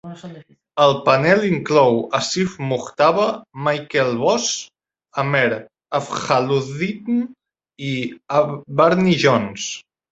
El panel inclou Asif Mujtaba, Michael Voss, Amer Afzaluddin i Barney Jones.